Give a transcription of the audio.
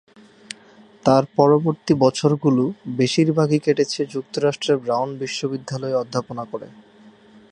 তার পরবর্তী বছরগুলো বেশিরভাগই কেটেছে যুক্তরাষ্ট্রের ব্রাউন বিশ্ববিদ্যালয়ে অধ্যাপনা করে।